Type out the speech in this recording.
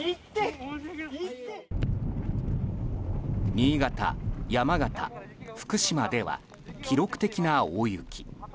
新潟、山形、福島では記録的な大雪。